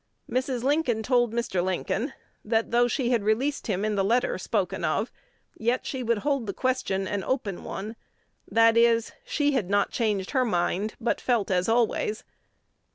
Mrs. Lincoln told Mr. Lincoln, that, though she had released him in the letter spoken of, yet she would hold the question an open one, that is, that she had not changed her mind, but felt as always....